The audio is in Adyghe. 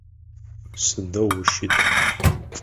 Сыдэу ущыт?